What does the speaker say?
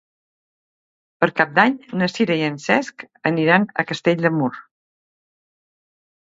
Per Cap d'Any na Sira i en Cesc aniran a Castell de Mur.